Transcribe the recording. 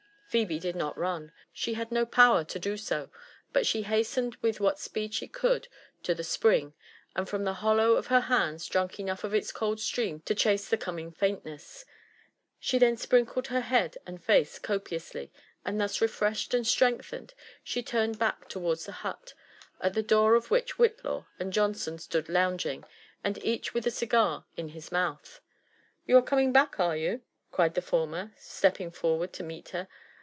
Phebe did not run — ^she bad no power to do so ; but she hastened with what speed she could to the spring, and from the hollow of her hands drank enough of its cold stream to chase the coming faintness : she then sprinkled her head and face copiously ; and thus refreshed and strengthened, she turned back towards the hut, at the door of which Whitlaw and Johnson stood lounging, and each with a cigar in his mouth. '' You are coming back, are you ?" cried the former, stepping forward to meet her.